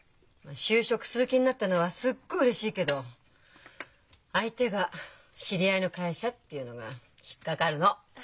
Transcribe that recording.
就職する気になったのはすっごいうれしいけど相手が知り合いの会社っていうのが引っ掛かるの！